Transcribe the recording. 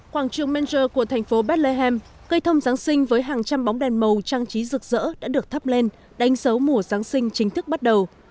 quảng trường menger của thành phố bethlehem cây thông giáng sinh với hàng trăm bóng đèn màu trang trí rực rỡ đã được thắp lên đánh dấu mùa giáng sinh chính thức bắt đầu